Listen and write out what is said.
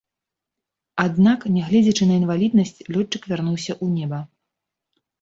Аднак, нягледзячы на інваліднасць, лётчык вярнуўся ў неба.